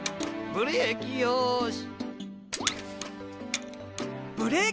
ブレーキよし。